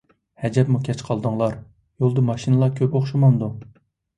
ھەجەپمۇ كەچ قالدىڭلار، يولدا ماشىنىلار كۆپ ئوخشىمامدۇ ؟